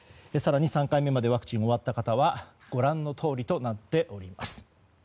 更に３回目までワクチンが終わった方はご覧のとおりとなっております。